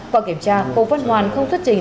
qua kiểm tra hồ văn hoàn không xuất trình